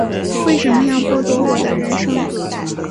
为什么要剥夺我的人生